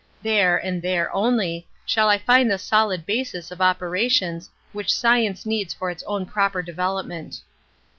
There, and there only, shall I find the solid basis of opera tions which science needs for its own proper development.